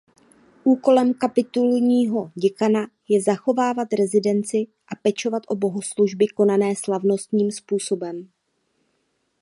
Úkolem kapitulního děkana je zachovávat rezidenci a pečovat o bohoslužby konané slavnostním způsobem.